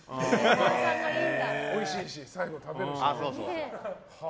おいしいし、最後食べるし。